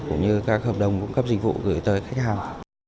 cũng như các hợp đồng cung cấp dịch vụ gửi tới khách hàng